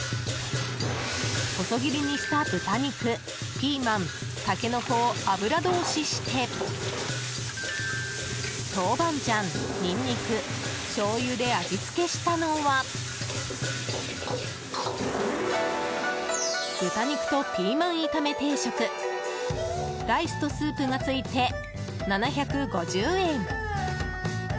細切りにした豚肉、ピーマンタケノコを油通しして豆板醤、ニンニクしょうゆで味付けしたのは豚肉とピーマン炒め定食ライスとスープがついて７５０円。